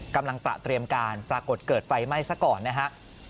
กำลังตระเตรียมการปรากฏเกิดไฟไหม้ซะก่อนนะฮะ